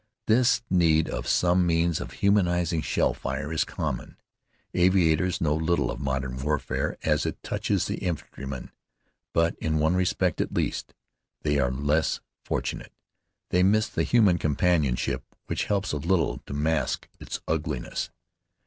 This need of some means of humanizing shell fire is common. Aviators know little of modern warfare as it touches the infantryman; but in one respect, at least, they are less fortunate. They miss the human companionship which helps a little to mask its ugliness.